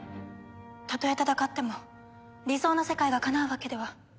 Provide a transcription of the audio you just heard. たとえ戦っても理想の世界がかなうわけでは。